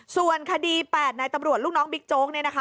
ส่วนคดี๘นายตำรวจลูกน้องบิ๊กโจ๊กเนี่ยนะคะ